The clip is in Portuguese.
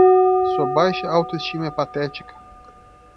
Sua baixa auto-estima é patética.